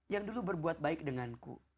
yang dulu berbuat baik denganku